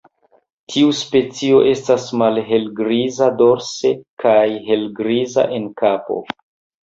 Tiu specio estas malhelgriza dorse kaj helgriza en kapo.